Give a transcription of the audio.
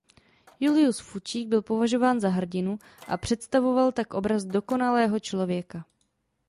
Julius Fučík byl považován za hrdinu a představoval tak obraz dokonalého člověka.